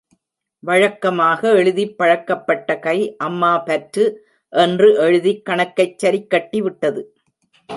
வழக்கமாக, எழுதிப் பழக்கப்பட்ட கை, அம்மா பற்று... என்று எழுதிக் கணக்கைச் சரிக்கட்டிவிட்டது.